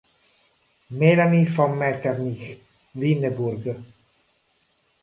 Melanie von Metternich-Winneburg